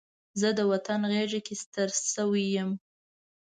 زه د وطن غېږ کې ستر شوی یم